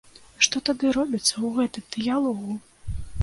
Што тады робіцца ў гэтым дыялогу?!